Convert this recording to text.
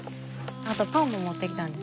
あとパンも持ってきたんです。